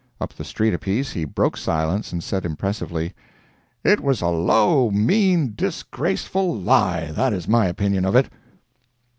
Up the street apiece he broke silence and said impressively: "It was a low, mean, disgraceful lie—that is my opinion of it!"